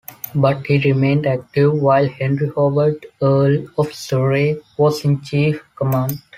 But he remained active while Henry Howard, Earl of Surrey was in chief command.